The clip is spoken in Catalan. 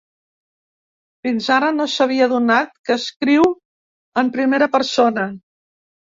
Fins ara no s'havia adonat que escriu en primera persona.